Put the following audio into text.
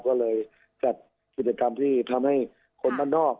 ก็เลยจัดกิจกรรมที่ทำให้คนด้านนอก